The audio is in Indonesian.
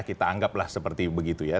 kita anggaplah seperti begitu ya